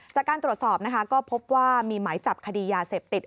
จากการตรวจสอบนะคะก็พบว่ามีหมายจับคดียาเสพติด